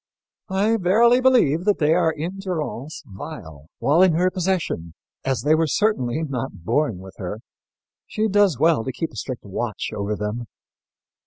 I verily believe that they are in durance vile while in her possession, as they were certainly not born with her. She does well to keep a strict watch over them."